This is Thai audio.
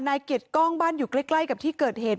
เกียรติกล้องบ้านอยู่ใกล้กับที่เกิดเหตุ